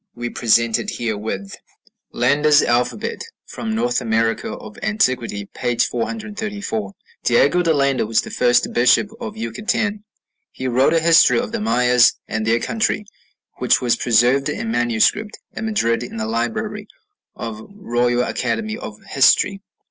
We present it herewith. ### LANDA'S ALPHABET (From "North Amer. of Antiquity," p. 434.) Diego de Landa was the first bishop of Yucatan. He wrote a history of the Mayas and their country, which was preserved in manuscript at Madrid in the library of the Royal Academy of History....